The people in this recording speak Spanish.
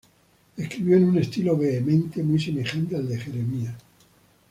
Escribió en un estilo vehemente, muy semejante al de Jeremías.